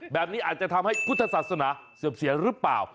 แบบนี้อาจจะทำให้พุทธศาสนาเสื่อมเสียหรือเปล่า